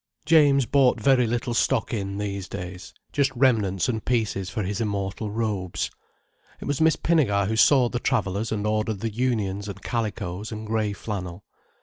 James bought very little stock in these days: just remnants and pieces for his immortal robes. It was Miss Pinnegar who saw the travellers and ordered the unions and calicoes and grey flannel.